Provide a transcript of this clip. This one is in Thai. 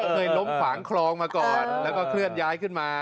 เคยล้มขวางคลองมาก่อนแล้วก็เคลื่อนย้ายขึ้นมา